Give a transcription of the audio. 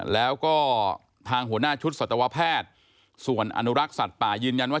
แล้วก็ทางหัวหน้าชุดสัตวแพทย์ส่วนอนุรักษ์สัตว์ป่ายืนยันว่า